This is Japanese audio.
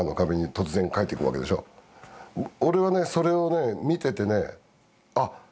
俺はねそれをね見ててねああ